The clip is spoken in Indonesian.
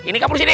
ini kamu disini